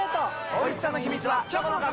おいしさの秘密はチョコの壁！